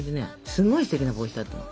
すごいステキな帽子だったの。